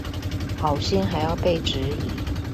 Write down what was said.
好心還要被質疑